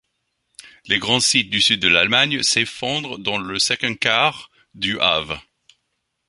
Les grands sites du sud de l'Allemagne s'effondrent dans le second quart du av.